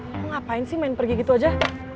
kamu ngapain sih main pergi gitu aja